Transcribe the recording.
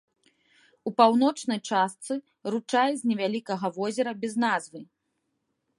У паўночнай частцы ручай з невялікага возера без назвы.